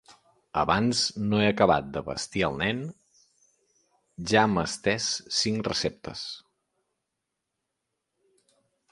Abans no he acabat de vestir el nen ja m'ha estès cinc receptes.